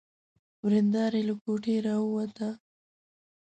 ورېندار يې له کوټې را ووته.